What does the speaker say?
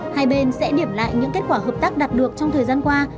hai bên sẽ điểm lại những kết quả hợp tác đạt được trong thời gian qua